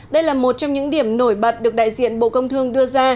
đây là một trong những điểm nổi bật được đại diện bộ công thương đưa ra